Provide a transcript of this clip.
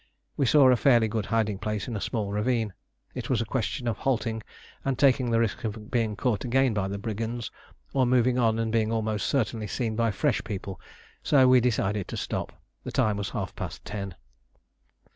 We saw a fairly good hiding place in a small ravine. It was a question of halting and taking the risk of being caught again by the brigands, or moving on and being almost certainly seen by fresh people; so we decided to stop. The time was half past ten.